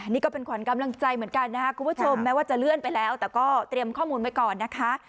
นี่ก็เป็นขวัญกำลังใจเหมือนกันนะครับคุณผู้ชมแม้ว่าจะเลื่อนไปแล้วแต่ก็เตรียมข้อมูลไว้ก่อนนะคะ